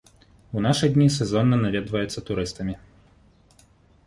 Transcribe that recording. У нашы дні сезонна наведваецца турыстамі.